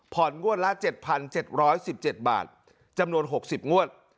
ผ่อนงวดละเจ็ดพันเจ็ดร้อยสิบเจ็ดบาทจำนวนหกสิบงวด